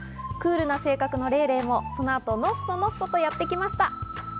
クールな性格のレイレイもその後、のっそのっそとやってきました。